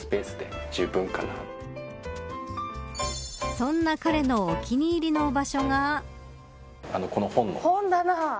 そんな彼のお気に入りの場所が。